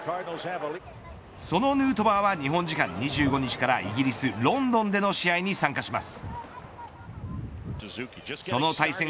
そのヌートバーは日本時間２５日からイギリス、ロンドンでの試合に参加します。